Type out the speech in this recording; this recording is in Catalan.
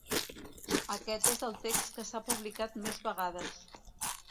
Aquest és el text que s'ha publicat més vegades.